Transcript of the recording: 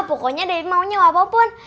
pokoknya debi maunya apa pun